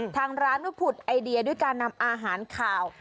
ทางร้านก็ผุดไอเดียด้วยการนำอาหารขาว